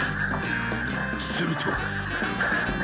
［すると］